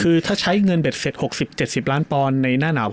คือถ้าใช้เงินเบ็ดเสร็จ๖๐๗๐ล้านปอนด์ในหน้าหนาว